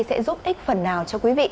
sẽ giúp ích phần nào cho quý vị